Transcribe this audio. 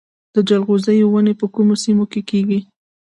د جلغوزیو ونې په کومو سیمو کې کیږي؟